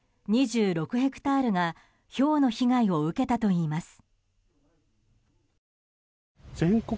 ヘクタールがひょうの被害を受けたといいます。